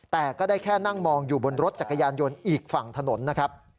แต่ก็ได้แค่นั่งมองอยู่บนรถจักรยานยนต์อีกฝั่งถนนนะครับ